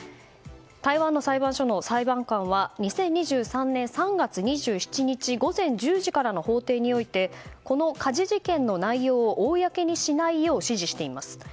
台湾の裁判所の裁判官は２０２３年３月２７日午前１０時からの法廷においてこの家事事件の内容を公にしないように指示しています。